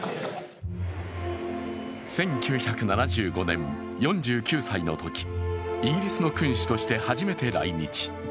１９７５年、４９歳のときイギリスの君主として初めて来日。